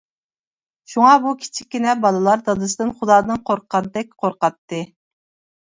شۇڭا بۇ كىچىككىنە بالىلار دادىسىدىن خۇدادىن قورققاندەك قورقاتتى.